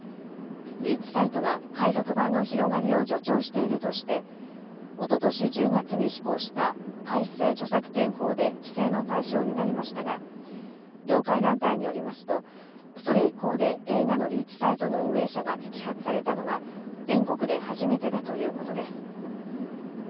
リーチサイトは海賊版の広がりを助長しているとしておととし１０月に施行した改正著作権法で規制の対象になりましたが業界団体によりますとそれ以降で映画のリーチサイトの運営者が摘発されたのは全国で初めてだということです。